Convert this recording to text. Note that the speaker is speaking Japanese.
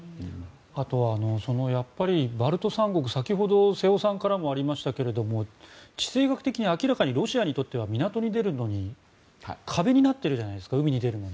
あと、やっぱりバルト三国は先ほど瀬尾さんからもありましたが地政学的に明らかにロシアにとっては港に出るのに壁になってるじゃないですか。